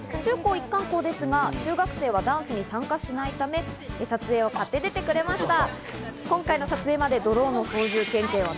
中高一貫校ですが、中学生はダンスに参加しないため、撮影を買って出てくれました。